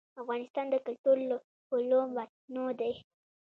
افغانستان د کلتور له پلوه متنوع دی.